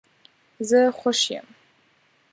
زه خوش یم